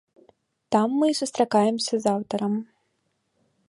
Там мы і сустракаемся з аўтарам.